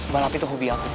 balap itu hobi aku